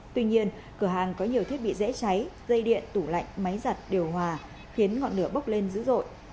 tuy nhiên cửa hàng có nhiều thiết bị dễ cháy dây điện tủ lạnh máy giặt điều hòa khiến ngọn lửa bốc lên dữ dội